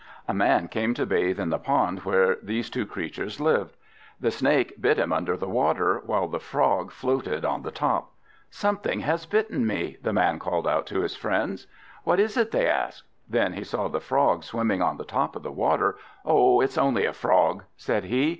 A Man came to bathe in the pond where these two creatures lived. The Snake bit him under the water, while the Frog floated on the top. "Something has bitten me!" the Man called out to his friends. "What is it?" they asked. Then he saw the Frog swimming on the top of the water. "Oh, it's only a Frog," said he.